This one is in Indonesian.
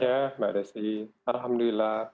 ya mbak desi alhamdulillah